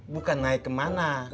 bukan naik ke mana